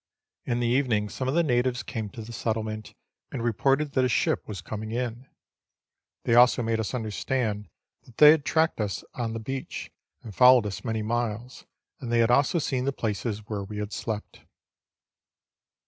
In the evening some of the natives came to the settlement and reported that a ship was coming in ; they also made us understand that they had tracked us on the beach and followed us many miles, and they had also seen the places where we had slept.